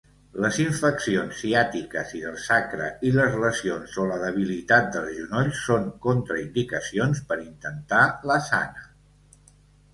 Les infeccions ciàtiques i del sacre i les lesions o la debilitat dels genolls són contraindicacions per intentar l'asana.